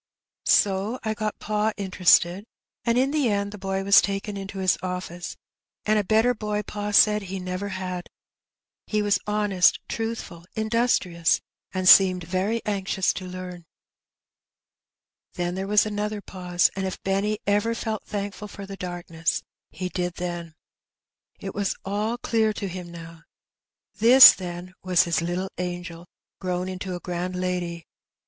So I got pa interested, and in the end the boy was taken into his office, and a better boy pa said he never had. He was honest, truthful, industrious, and seemed very anxious to learn. Then there was another pause, and if Benny ever felt thankful for the darkness, he did then. It was all clear to him now. This, then, was his little angel, grown into a grand lady !